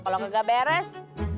kalo gak beres